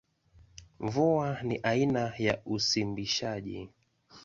Mvua ni aina ya usimbishaji.